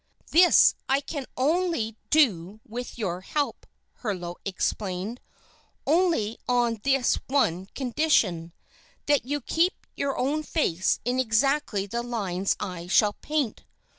"This I can do only with your help," Herlo explained; "only on this one condition that you keep your own face in exactly the lines I shall paint.